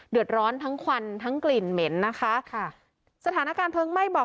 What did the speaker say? เดือดร้อนทั้งควันทั้งกลิ่นเหม็นนะคะค่ะสถานการณ์เพลิงไหม้บอก